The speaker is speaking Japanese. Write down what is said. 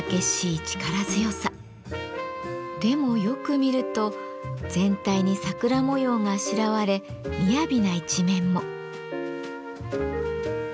でもよく見ると全体に桜模様があしらわれみやびな一面も。